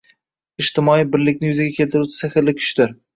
ijtimoiy birlikni yuzaga keltiruvchi «sehrli» kuchdir.